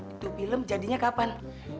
itu film jadinya kapan